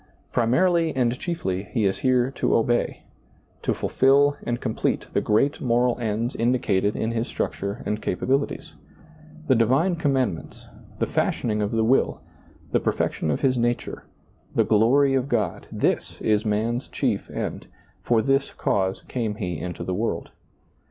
Primarily and chiefly he is here to obey, to ^lailizccbvGoOgle S8 SEEING DARKLY fulfill and complete the great moral ends indicated in his structure and capabilities. The divine com mandments, the fashioning of the will, the perfec tion of his nature, the glory of God — this is man's chief end ; for this cause came he into the world.